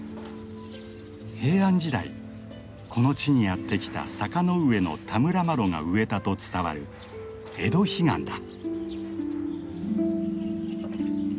平安時代この地にやって来た坂上田村麻呂が植えたと伝わるエドヒガンだ。